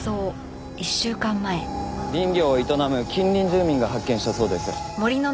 林業を営む近隣住民が発見したそうです。